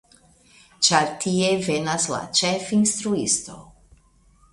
Ĉar tie venas la ĉefinstruisto.